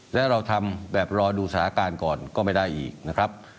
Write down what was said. แล้วเราทำแบบรอดูสถานการณ์ก่อนก็ไม่ได้อีกนะครับ